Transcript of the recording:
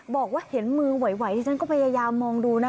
บอกว่าเห็นมือไหวที่ฉันก็พยายามมองดูนะ